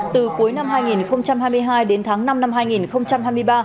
từ cuối năm hai nghìn hai mươi hai đến tháng năm năm hai nghìn hai mươi ba